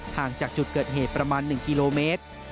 ห่างจากจุดเกิดเหตุประมาณ๑กิโลเมตร